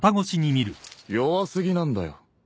弱すぎなんだよ。